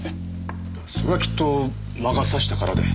それはきっと魔が差したからで。